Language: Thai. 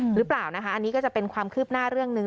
หรือเปล่านะคะอันนี้ก็จะเป็นความคืบหน้าเรื่องหนึ่ง